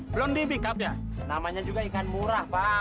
belum dibingkap ya namanya juga ikan murah pak